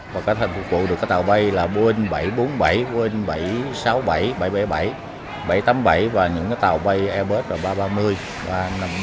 và có thể phục vụ được các tàu bay là boeing bảy trăm bốn mươi bảy boeing bảy trăm sáu mươi bảy bảy trăm bảy mươi bảy bảy trăm tám mươi bảy và những tàu bay airbus ba trăm ba mươi và năm trăm bốn mươi